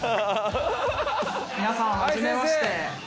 皆さん初めまして。